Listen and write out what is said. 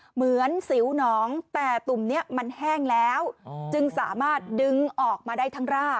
เหมือนสิวหนองแต่ตุ่มนี้มันแห้งแล้วจึงสามารถดึงออกมาได้ทั้งราก